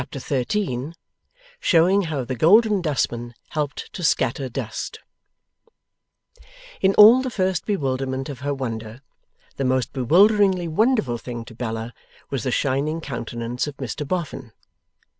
Chapter 13 SHOWING HOW THE GOLDEN DUSTMAN HELPED TO SCATTER DUST In all the first bewilderment of her wonder, the most bewilderingly wonderful thing to Bella was the shining countenance of Mr Boffin.